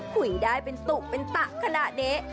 คุยได้เป็นตุเป็นตะขนาดนี้